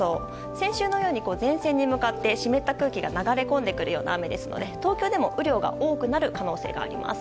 先週のように前線に向かって湿った空気が流れ込んでくるような雨ですので東京でも雨量が多くなる可能性があります。